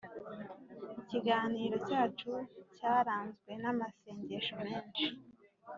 ikiganiro cyacu cyaranzwe n’amasengesho menshi